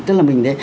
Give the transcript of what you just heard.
tức là mình thế